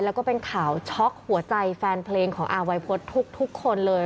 แล้วก็เป็นข่าวช็อกหัวใจแฟนเพลงของอาวัยพฤษทุกคนเลย